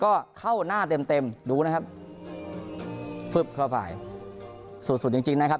ก็เข้าหน้าเต็มเต็มดูนะครับฟึบเข้าไปสุดสุดจริงจริงนะครับ